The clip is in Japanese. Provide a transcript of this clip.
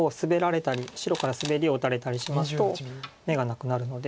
白からスベリを打たれたりしますと眼がなくなるので。